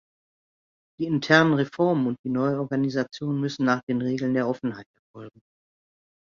Die internen Reformen und die Neuorganisation müssen nach den Regeln der Offenheit erfolgen.